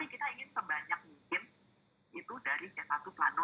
itu kita sudah tahu